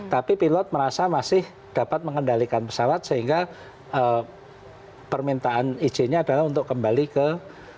tapi pilot merasa masih dapat mengendalikan pesawat sehingga permintaan izinnya adalah untuk kembali ke